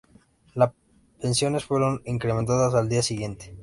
Las pensiones fueron incrementadas al día siguiente.